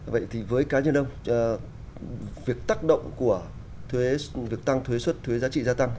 vậy thì với cá nhân ông việc tác động của việc tăng thuế xuất thuế giá trị gia tăng